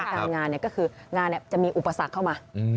การงานเนี่ยก็คืองานเนี่ยจะมีอุปสรรคเข้ามา